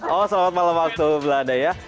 oh selamat malam waktu belanda ya